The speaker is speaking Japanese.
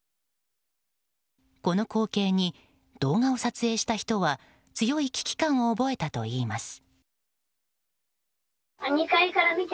この光景に動画を撮影した人は強い危機感を覚えたといいます。